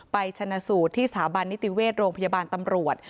ไปฉรดิศาบันต์นิติเวศโรงพยาบาลตำรวจ